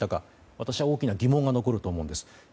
私は大きな疑問が残ると思います。